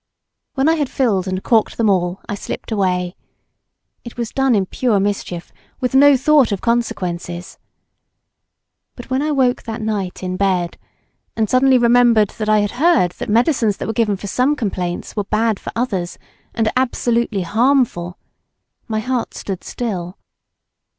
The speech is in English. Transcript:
When I had filled and corked them all, I slipped away; it was done in pure mischief with no thought of consequences; but when I woke that night in bed and suddenly remembered that I had heard that medicines that were given for some complaints were bad for others, and absolutely harmful, my heart stood still.